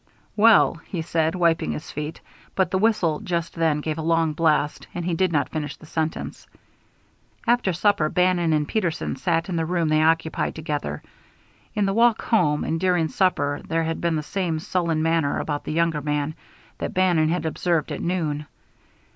"Well " he said, wiping his feet; but the whistle just then gave a long blast, and he did not finish the sentence. After supper Bannon and Peterson sat in the room they occupied together. In the walk home and during supper there had been the same sullen manner about the younger man that Bannon had observed at noon.